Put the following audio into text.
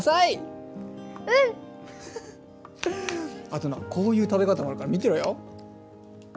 あとなこういう食べ方もあるから見てろよ！